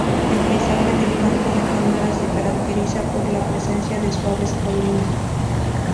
El paisaje del Campo de Cámara se caracteriza por la presencia de suaves colinas.